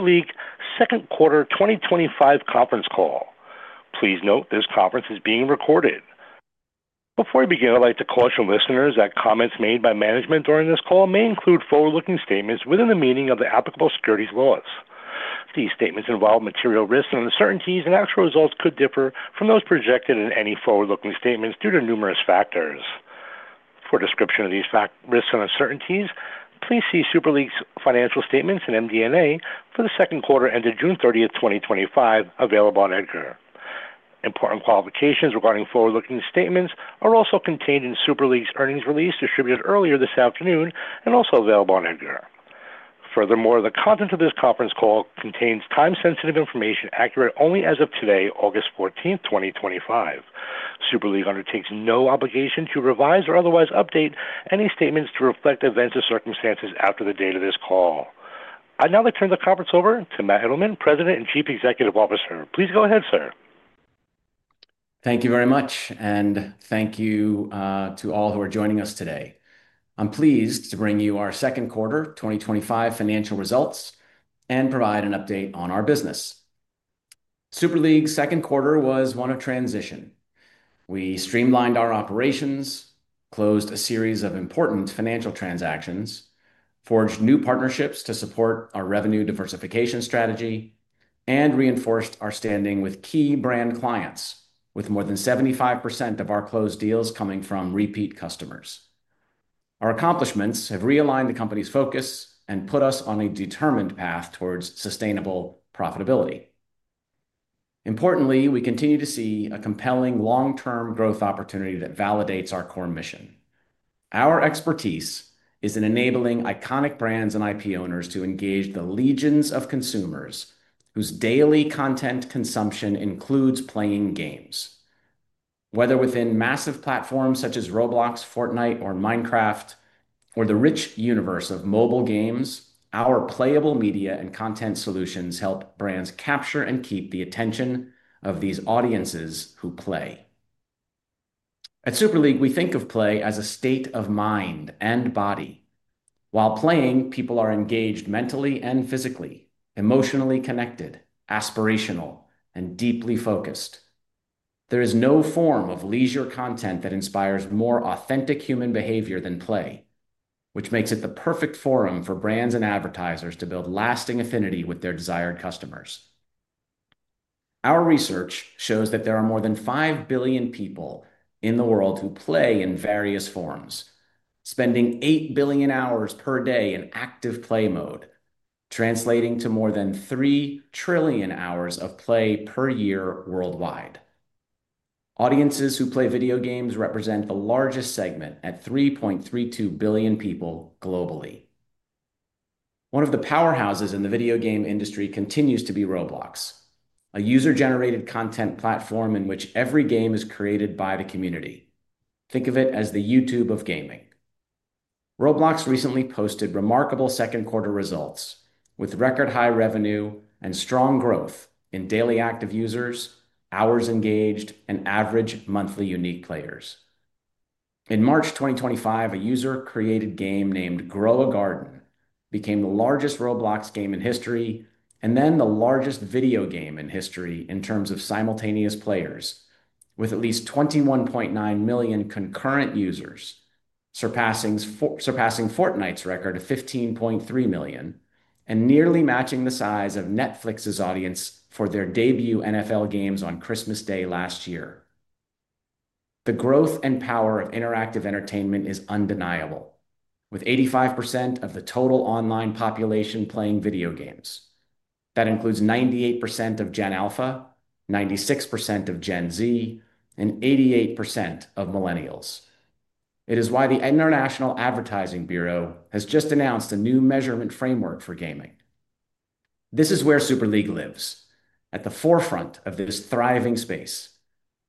Welcome National League Second Quarter 2025 Conference Call. Please note this conference is being recorded. Before we begin, I'd like to caution listeners that comments made by management during this call may include forward-looking statements within the meaning of the applicable securities laws. These statements involve material risks and uncertainties, and actual results could differ from those projected in any forward-looking statements due to numerous factors. For a description of these risks and uncertainties, please see Super League's financial statements and MD&A for the second quarter ended June 30, 2025, available on EDGAR. Important qualifications regarding forward-looking statements are also contained in Super League's earnings release distributed earlier this afternoon and also available on EDGAR. Furthermore, the content of this conference call contains time-sensitive information accurate only as of today, August 14, 2025. Super League undertakes no obligation to revise or otherwise update any statements to reflect events or circumstances after the date of this call. I'd now like to turn the conference over to Matt Edelman, President and Chief Executive Officer. Please go ahead, sir. Thank you very much, and thank you to all who are joining us today. I'm pleased to bring you our second quarter 2025 financial results and provide an update on our business. Super League's second quarter was one of transition. We streamlined our operations, closed a series of important financial transactions, forged new partnerships to support our revenue diversification strategy, and reinforced our standing with key brand clients, with more than 75% of our closed deals coming from repeat customers. Our accomplishments have realigned the company's focus and put us on a determined path towards sustainable profitability. Importantly, we continue to see a compelling long-term growth opportunity that validates our core mission. Our expertise is in enabling iconic brands and IP owners to engage the legions of consumers whose daily content consumption includes playing games. Whether within massive platforms such as Roblox, Fortnite, or Minecraft, or the rich universe of mobile games, our playable media and content solutions help brands capture and keep the attention of these audiences who play. At Super League, we think of play as a state of mind and body. While playing, people are engaged mentally and physically, emotionally connected, aspirational, and deeply focused. There is no form of leisure content that inspires more authentic human behavior than play, which makes it the perfect forum for brands and advertisers to build lasting affinity with their desired customers. Our research shows that there are more than five billion people in the world who play in various forms, spending eight billion hours per day in active play mode, translating to more than three trillion hours of play per year worldwide. Audiences who play video games represent the largest segment at 3.32 billion people globally. One of the powerhouses in the video game industry continues to be Roblox, a user-generated content platform in which every game is created by the community. Think of it as the YouTube of gaming. Roblox recently posted remarkable second quarter results with record high revenue and strong growth in daily active users, hours engaged, and average monthly unique players. In March 2025, a user-created game named Grow a Garden became the largest Roblox game in history and then the largest video game in history in terms of simultaneous players, with at least 21.9 million concurrent users, surpassing Fortnite's record of 15.3 million and nearly matching the size of Netflix's audience for their debut NFL games on Christmas Day last year. The growth and power of interactive entertainment is undeniable, with 85% of the total online population playing video games. That includes 98% of Gen Alpha, 96% of Gen Z, and 88% of Millennials. It is why the International Advertising Bureau has just announced a new measurement framework for gaming. This is where Super League lives, at the forefront of this thriving space,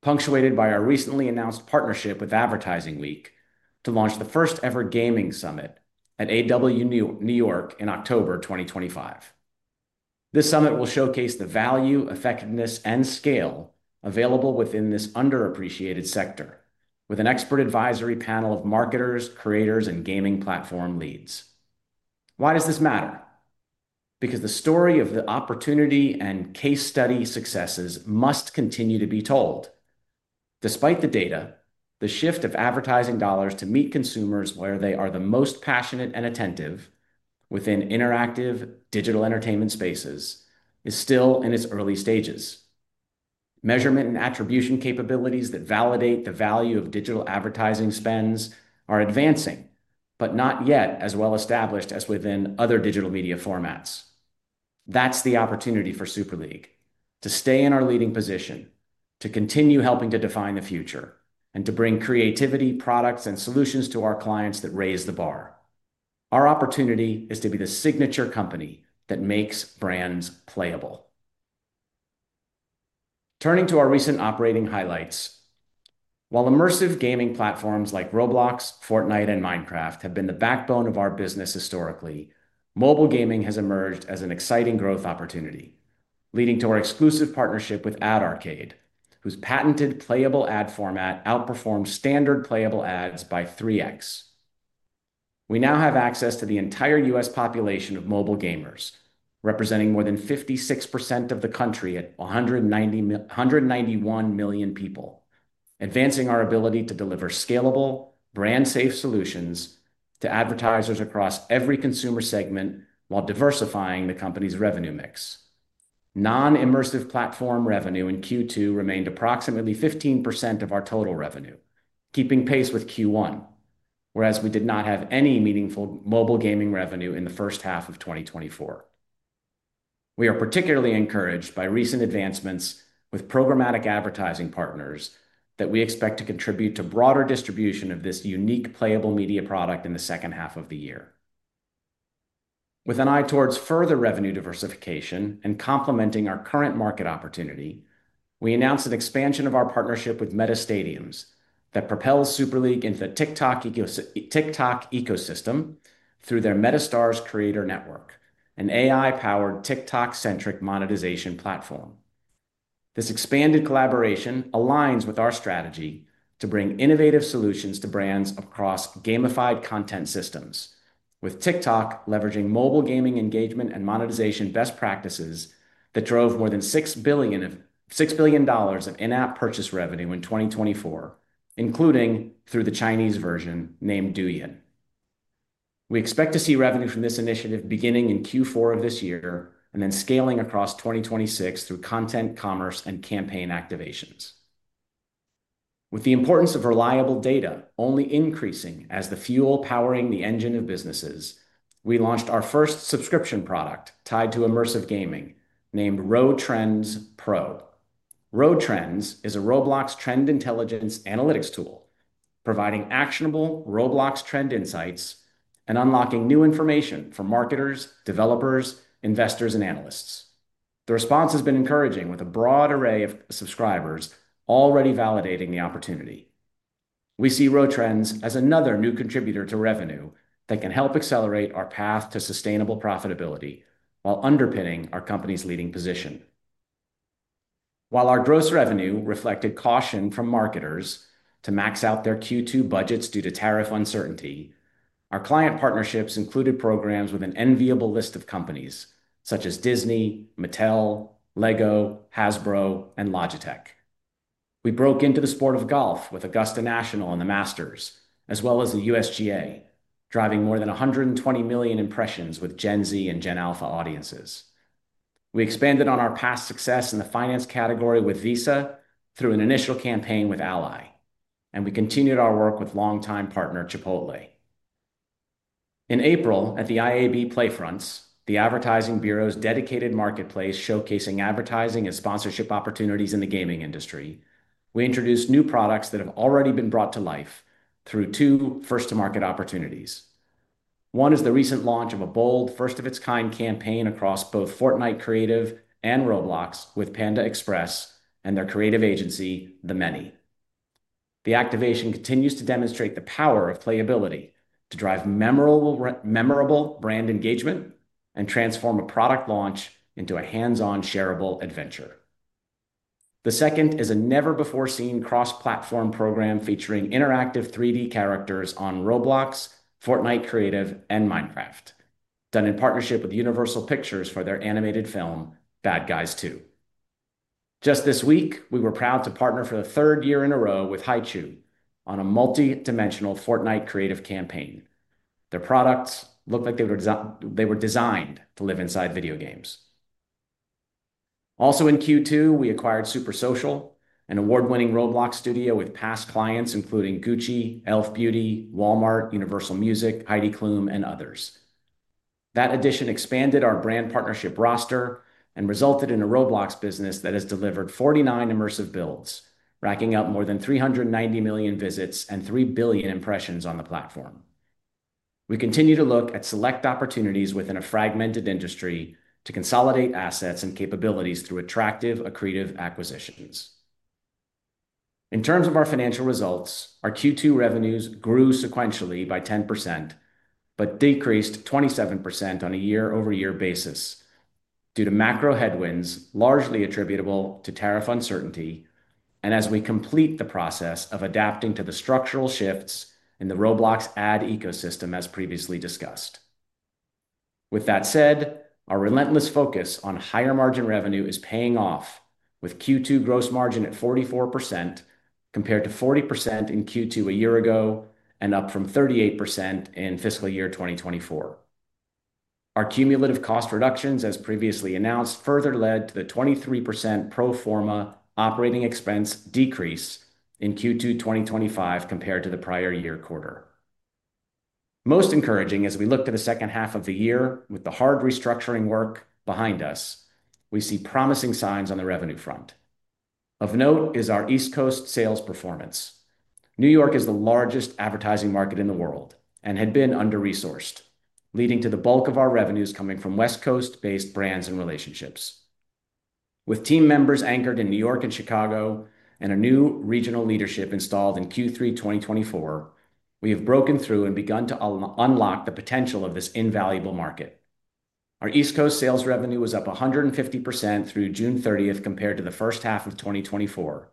punctuated by our recently announced partnership with Advertising Week to launch the first ever Gaming Summit at AW New York in October 2025. This summit will showcase the value, effectiveness, and scale available within this underappreciated sector, with an expert advisory panel of marketers, creators, and gaming platform leads. Why does this matter? Because the story of the opportunity and case study successes must continue to be told. Despite the data, the shift of advertising dollars to meet consumers where they are the most passionate and attentive within interactive digital entertainment spaces is still in its early stages. Measurement and attribution capabilities that validate the value of digital advertising spends are advancing, but not yet as well established as within other digital media formats. That's the opportunity for Super League, to stay in our leading position, to continue helping to define the future, and to bring creativity, products, and solutions to our clients that raise the bar. Our opportunity is to be the signature company that makes brands playable. Turning to our recent operating highlights, while immersive gaming platforms like Roblox, Fortnite, and Minecraft have been the backbone of our business historically, mobile gaming has emerged as an exciting growth opportunity, leading to our exclusive partnership with Ad Arcade, whose patented playable ad format outperforms standard playable ads by 3x. We now have access to the entire U.S. population of mobile gamers, representing more than 56% of the country at 191 million people, advancing our ability to deliver scalable, brand-safe solutions to advertisers across every consumer segment while diversifying the company's revenue mix. Non-immersive platform revenue in Q2 remained approximately 15% of our total revenue, keeping pace with Q1, whereas we did not have any meaningful mobile gaming revenue in the first half of 2024. We are particularly encouraged by recent advancements with programmatic advertising partners that we expect to contribute to broader distribution of this unique playable media product in the second half of the year. With an eye towards further revenue diversification and complementing our current market opportunity, we announced an expansion of our partnership with Meta Stadiums that propels Super League into the TikTok ecosystem through their MetaStars Creator Network, an AI-powered TikTok-centric monetization platform. This expanded collaboration aligns with our strategy to bring innovative solutions to brands across gamified content systems, with TikTok leveraging mobile gaming engagement and monetization best practices that drove more than $6 billion of in-app purchase revenue in 2024, including through the Chinese version named Douyin. We expect to see revenue from this initiative beginning in Q4 of this year and then scaling across 2026 through content, commerce, and campaign activations. With the importance of reliable data only increasing as the fuel powering the engine of businesses, we launched our first subscription product tied to immersive gaming named Rotrends Pro. Rotrends is a Roblox trend intelligence analytics tool, providing actionable Roblox trend insights and unlocking new information for marketers, developers, investors, and analysts. The response has been encouraging with a broad array of subscribers already validating the opportunity. We see Rotrends as another new contributor to revenue that can help accelerate our path to sustainable profitability while underpinning our company's leading position. While our gross revenue reflected caution from marketers to max out their Q2 budgets due to tariff uncertainty, our client partnerships included programs with an enviable list of companies such as Disney, Mattel, Lego, Hasbro, and Logitech. We broke into the sport of golf with Augusta National and the Masters, as well as the USGA, driving more than 120 million impressions with Gen Z and Gen Alpha audiences. We expanded on our past success in the finance category with Visa through an initial campaign with Ally, and we continued our work with longtime partner Chipotle. In April, at the IAB PlayFronts, the Interactive Advertising Bureau's dedicated marketplace showcasing advertising as sponsorship opportunities in the gaming industry, we introduced new products that have already been brought to life through two first-to-market opportunities. One is the recent launch of a bold, first-of-its-kind campaign across both Fortnite Creative and Roblox with Panda Express and their creative agency, The Many. The activation continues to demonstrate the power of playability to drive memorable brand engagement and transform a product launch into a hands-on, shareable adventure. The second is a never-before-seen cross-platform program featuring interactive 3D characters on Roblox, Fortnite Creative, and Minecraft, done in partnership with Universal Pictures for their animated film, Bad Guys 2. Just this week, we were proud to partner for the third year in a row with HiTune on a multi-dimensional Fortnite Creative campaign. Their products look like they were designed to live inside video games. Also in Q2, we acquired Super Social, an award-winning Roblox studio with past clients including Gucci, Elf Beauty, Walmart, Universal Music Group, Heidi Klum, and others. That addition expanded our brand partnership roster and resulted in a Roblox business that has delivered 49 immersive builds, racking up more than 390 million visits and three billion impressions on the platform. We continue to look at select opportunities within a fragmented industry to consolidate assets and capabilities through attractive, accretive acquisitions. In terms of our financial results, our Q2 revenues grew sequentially by 10%, but decreased 27% on a year-over-year basis due to macroeconomic headwinds largely attributable to tariff uncertainty and as we complete the process of adapting to the structural shifts in the Roblox ad ecosystem as previously discussed. With that said, our relentless focus on higher margin revenue is paying off, with Q2 gross margin at 44% compared to 40% in Q2 a year ago and up from 38% in fiscal year 2024. Our cumulative cost reductions, as previously announced, further led to the 23% pro forma operating expense decrease in Q2 2025 compared to the prior year quarter. Most encouraging as we look to the second half of the year with the hard restructuring work behind us, we see promising signs on the revenue front. Of note is our East Coast sales performance. New York is the largest advertising market in the world and had been under-resourced, leading to the bulk of our revenues coming from West Coast-based brands and relationships. With team members anchored in New York and Chicago and a new regional leadership installed in Q3 2024, we have broken through and begun to unlock the potential of this invaluable market. Our East Coast sales revenue was up 150% through June 30th compared to the first half of 2024,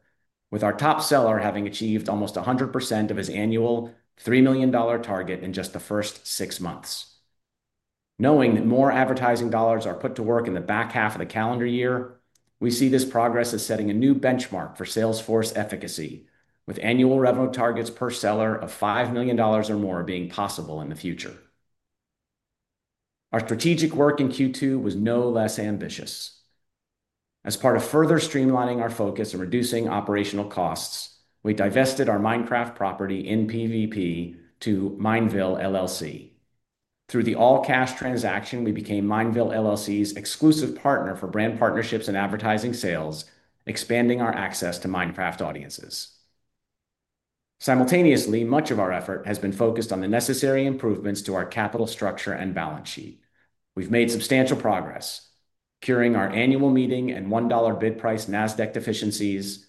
with our top seller having achieved almost 100% of his annual $3 million target in just the first six months. Knowing that more advertising dollars are put to work in the back half of the calendar year, we see this progress as setting a new benchmark for salesforce efficacy, with annual revenue targets per seller of $5 million or more being possible in the future. Our strategic work in Q2 was no less ambitious. As part of further streamlining our focus and reducing operational costs, we divested our Minecraft property in PVP to MineVille LLC. Through the all-cash transaction, we became MineVille LLC's exclusive partner for brand partnerships and advertising sales, expanding our access to Minecraft audiences. Simultaneously, much of our effort has been focused on the necessary improvements to our capital structure and balance sheet. We've made substantial progress, curing our annual meeting and $1 bid price Nasdaq deficiencies,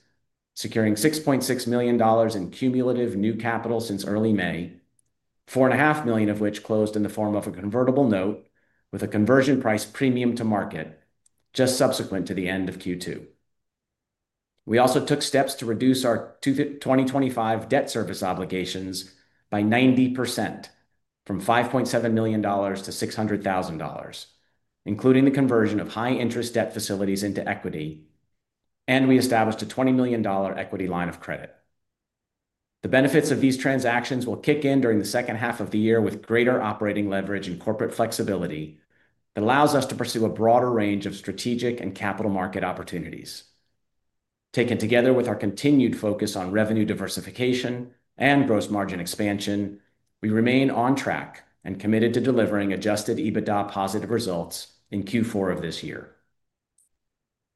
securing $6.6 million in cumulative new capital since early May, $4.5 million of which closed in the form of a convertible note with a conversion price premium to market just subsequent to the end of Q2. We also took steps to reduce our 2025 debt service obligations by 90%, from $5.7 million-$600,000, including the conversion of high-interest debt facilities into equity, and we established a $20 million equity line of credit. The benefits of these transactions will kick in during the second half of the year with greater operating leverage and corporate flexibility that allows us to pursue a broader range of strategic and capital market opportunities. Taken together with our continued focus on revenue diversification and gross margin expansion, we remain on track and committed to delivering adjusted EBITDA positive results in Q4 of this year.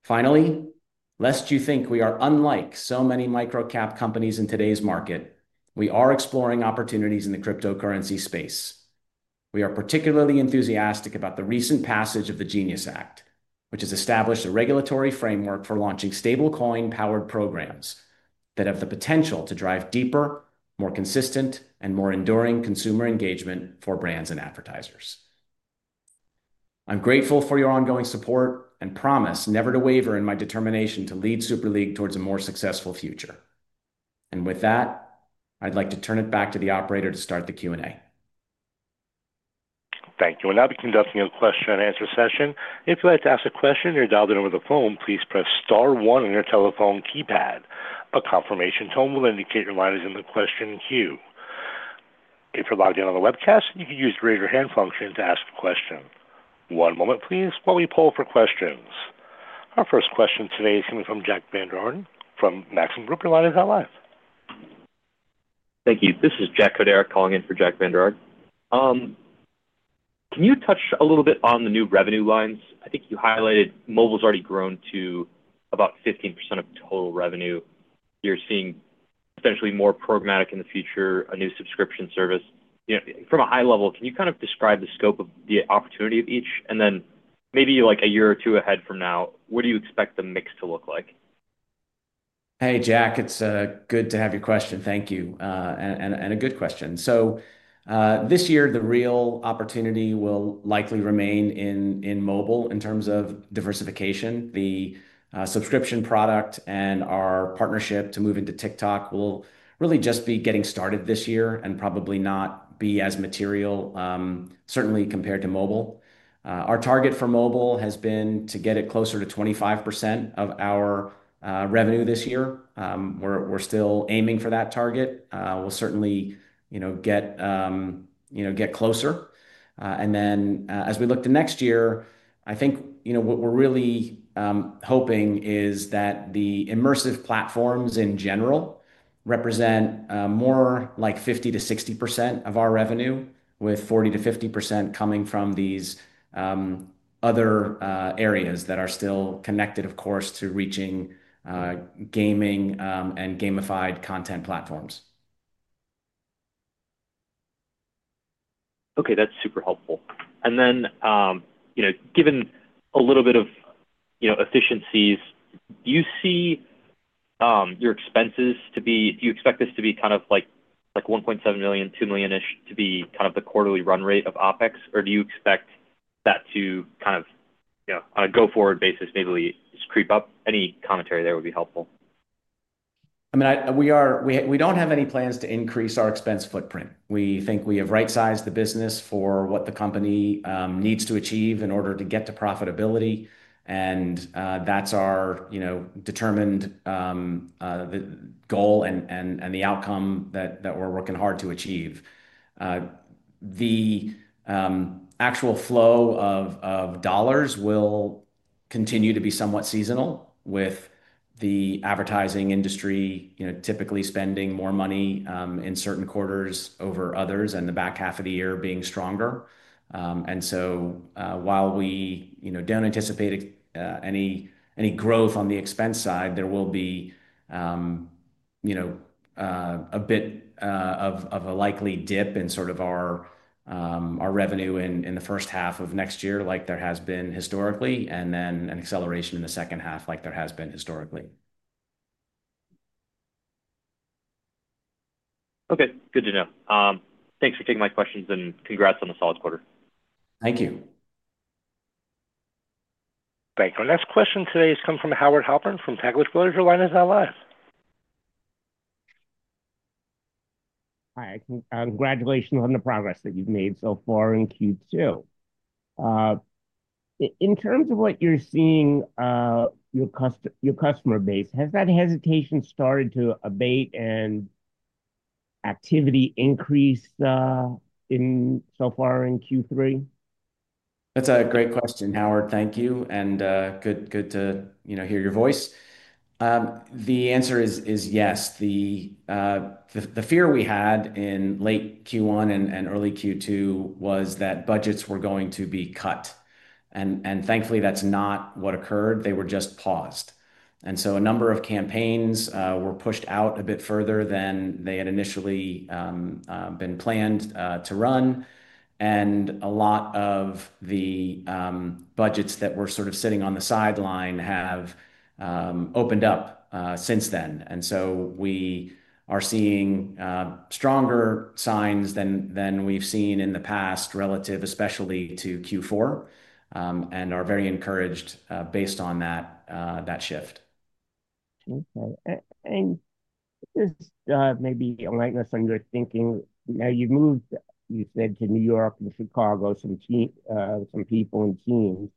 Finally, lest you think we are unlike so many micro-cap companies in today's market, we are exploring opportunities in the cryptocurrency space. We are particularly enthusiastic about the recent passage of the GENIUS Act, which has established a regulatory framework for launching stablecoin-powered programs that have the potential to drive deeper, more consistent, and more enduring consumer engagement for brands and advertisers. I'm grateful for your ongoing support and promise never to waver in my determination to lead Super League towards a more successful future. With that, I'd like to turn it back to the operator to start the Q&A. Thank you. We'll now be conducting a question-and-answer session. If you'd like to ask a question or dial in over the phone, please press Star, one on your telephone keypad. A confirmation tone will indicate your line is in the question queue. If you're logged in on the webcast, you can use the raise your hand function to ask a question. One moment, please, while we pull up our questions. Our first question today is coming from Jack Vander Aarde from Maxim Group. Your line is now live. Thank you. This is Jack Koderick calling in for Jack Vander Aarde. Can you touch a little bit on the new revenue lines? I think you highlighted mobile's already grown to about 15% of total revenue. You're seeing potentially more programmatic in the future, a new subscription service. From a high level, can you kind of describe the scope of the opportunity of each? Maybe like a year or two ahead from now, what do you expect the mix to look like? Hey Jack, it's good to have your question. Thank you. A good question. This year, the real opportunity will likely remain in mobile in terms of diversification. The subscription product and our partnership to move into TikTok will really just be getting started this year and probably not be as material, certainly compared to mobile. Our target for mobile has been to get it closer to 25% of our revenue this year. We're still aiming for that target. We'll certainly get closer. As we look to next year, I think what we're really hoping is that the immersive platforms in general represent more like 50%-60% of our revenue, with 40% to 50% coming from these other areas that are still connected, of course, to reaching gaming and gamified content platforms. Okay, that's super helpful. Given a little bit of efficiencies, do you see your expenses to be, do you expect this to be kind of like $1.7 million, $2 million-ish to be kind of the quarterly run rate of OpEx, or do you expect that to, on a go-forward basis, maybe creep up? Any commentary there would be helpful. We don't have any plans to increase our expense footprint. We think we have right-sized the business for what the company needs to achieve in order to get to profitability. That's our determined goal and the outcome that we're working hard to achieve. The actual flow of dollars will continue to be somewhat seasonal, with the advertising industry typically spending more money in certain quarters over others, and the back half of the year being stronger. While we don't anticipate any growth on the expense side, there will be a bit of a likely dip in sort of our revenue in the first half of next year, like there has been historically, and then an acceleration in the second half, like there has been historically. Okay, good to know. Thanks for taking my questions and congrats on the solid quarter. Thank you. Thank you. Our next question today is coming from Howard Halpern from Taglich Brothers. Your line is now live. Hi, congratulations on the progress that you've made so far in Q2. In terms of what you're seeing, your customer base, has that hesitation started to abate and activity increased so far in Q3? That's a great question, Howard. Thank you. Good to hear your voice. The answer is yes. The fear we had in late Q1 and early Q2 was that budgets were going to be cut. Thankfully, that's not what occurred. They were just paused. A number of campaigns were pushed out a bit further than they had initially been planned to run. A lot of the budgets that were sort of sitting on the sideline have opened up since then. We are seeing stronger signs than we've seen in the past, relative especially to Q4, and are very encouraged based on that shift. Okay. Maybe enlighten us on your thinking. Now you've moved, you said, to New York and Chicago, some people and teams.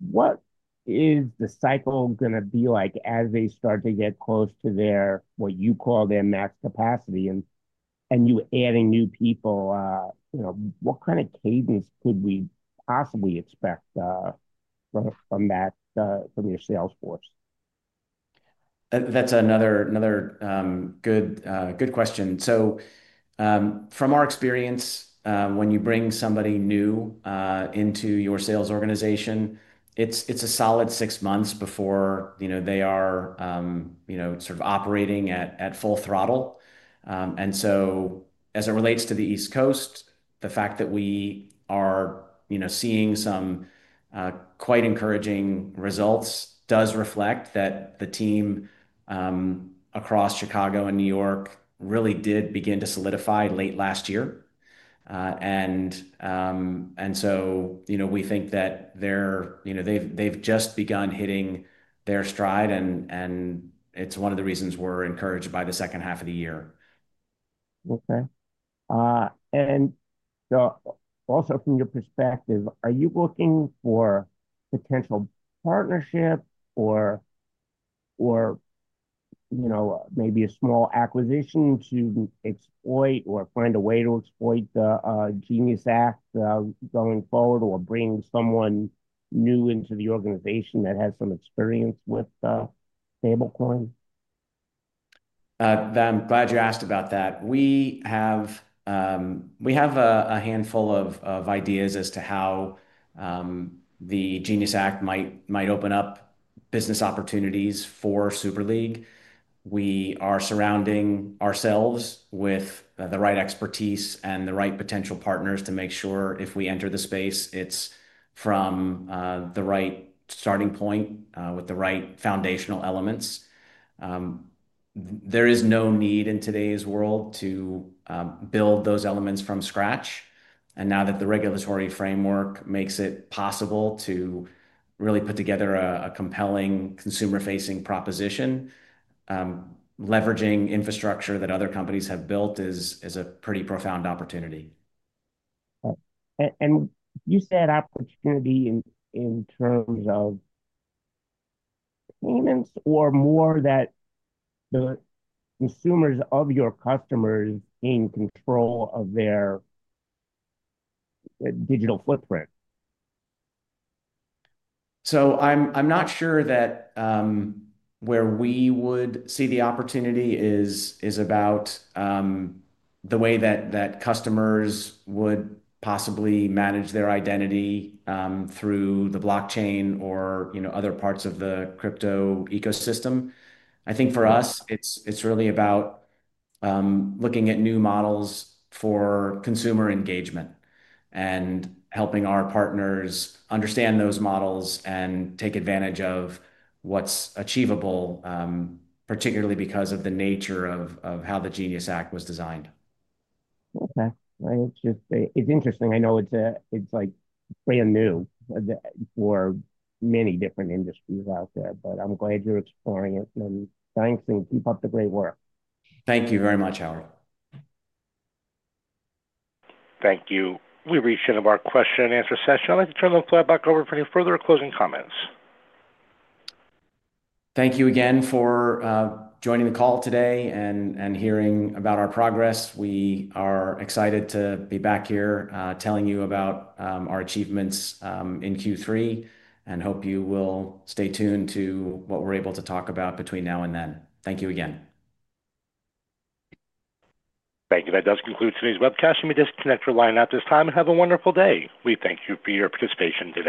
What is the cycle going to be like as they start to get close to their, what you call their max capacity and you adding new people? You know, what kind of cadence could we possibly expect from that, from your sales force? That's another good question. From our experience, when you bring somebody new into your sales organization, it's a solid six months before they are sort of operating at full throttle. As it relates to the East Coast, the fact that we are seeing some quite encouraging results does reflect that the team across Chicago and New York really did begin to solidify late last year. We think that they've just begun hitting their stride, and it's one of the reasons we're encouraged by the second half of the year. Okay. Also, from your perspective, are you looking for potential partnerships or maybe a small acquisition to exploit or find a way to exploit the GENIUS Act going forward or bring someone new into the organization that has some experience with stablecoin? I'm glad you asked about that. We have a handful of ideas as to how the GENIUS Act might open up business opportunities for Super League. We are surrounding ourselves with the right expertise and the right potential partners to make sure if we enter the space, it's from the right starting point with the right foundational elements. There is no need in today's world to build those elements from scratch. Now that the regulatory framework makes it possible to really put together a compelling consumer-facing proposition, leveraging infrastructure that other companies have built is a pretty profound opportunity. You said opportunity in terms of payments or more that the consumers of your customers gain control of their digital footprint. I'm not sure that where we would see the opportunity is about the way that customers would possibly manage their identity through the blockchain or, you know, other parts of the crypto ecosystem. I think for us, it's really about looking at new models for consumer engagement and helping our partners understand those models and take advantage of what's achievable, particularly because of the nature of how the GENIUS Act was designed. Okay, it's just, it's interesting. I know it's like brand new for many different industries out there, but I'm glad you're exploring it, and thanks and keep up the great work. Thank you very much, Howard. Thank you. We reached the end of our question-and-answer session. I'd like to turn the floor back over for any further closing comments. Thank you again for joining the call today and hearing about our progress. We are excited to be back here telling you about our achievements in Q3 and hope you will stay tuned to what we're able to talk about between now and then. Thank you again. Thank you. That does conclude today's webcast. You may disconnect your line at this time and have a wonderful day. We thank you for your participation today.